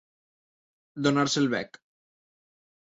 Donar-se el bec.